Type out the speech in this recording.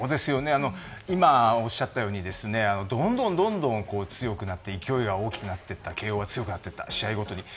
今、おっしゃったようにどんどん強くなって勢いが大きくなっていった慶應が強くなっていった試合ごとにと。